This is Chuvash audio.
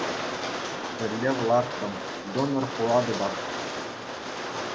Тӗллев лартрӑм -- донор пулатӑпах.